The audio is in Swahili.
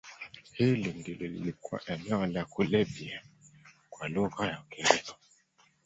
Hili ndilo lilikuwa eneo la Kulebhiya kwa lugha ya Wakerewe